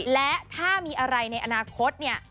และถ้ามีอะไรในอนาคตเนี่ย